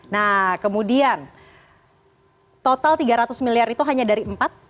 nah kemudian total tiga ratus miliar itu hanya dari empat